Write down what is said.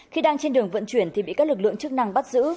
khi đang trên đường vận chuyển thì bị các lực lượng chức năng bắt giữ